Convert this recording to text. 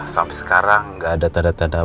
sampai sekarang nggak ada tanda tanda